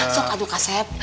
sok atuh kasep